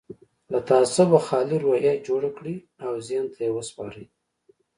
له تعصبه خالي روحيه جوړه کړئ او ذهن ته يې وسپارئ.